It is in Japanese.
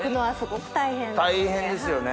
大変ですよね。